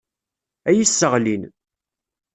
Ad iyi-sseɣlin.